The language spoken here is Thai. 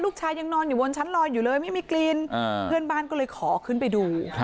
ยังนอนอยู่บนชั้นลอยอยู่เลยไม่มีกลิ่นเพื่อนบ้านก็เลยขอขึ้นไปดู